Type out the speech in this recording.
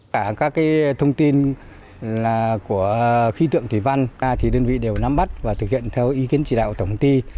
cả các thông tin của khí tượng thủy văn thì đơn vị đều nắm bắt và thực hiện theo ý kiến chỉ đạo tổng ty